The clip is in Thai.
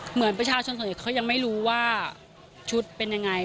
เหมือนประชาชนสนิทเขายังไม่รู้ว่าชุดเป็นอย่างไร